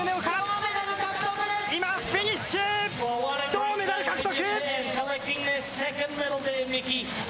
銅メダル獲得。